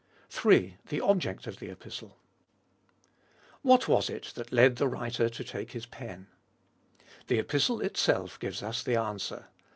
3. THE OBJECT OF THE EPISTLE. What was it that led the writer to take his pen? The Epistle itself gives us the answer.